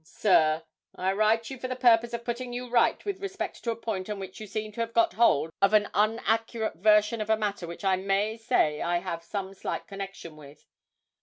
Sir I write you for the purpose of putting you right with respect to a point on which you seem to have got hold of an unaccurate version of a matter which I may say I have some slight connection with.